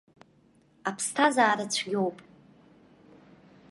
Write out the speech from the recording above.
Аԥсҭазаара цәгьоуп.